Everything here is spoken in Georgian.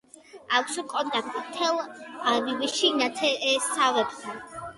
აქვს კონტაქტი თელ-ავივში ნათესავებთან.